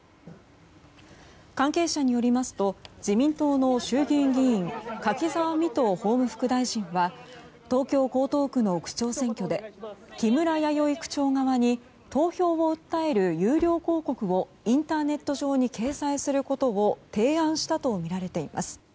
関係者によりますと自民党の衆議院議員柿沢未途法務副大臣は東京・江東区の区長選挙で木村弥生区長側に投票を訴える有料広告をインターネット上に掲載することを提案したとみられています。